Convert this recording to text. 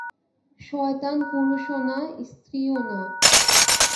শয়তান পুরুষও না স্ত্রীও না!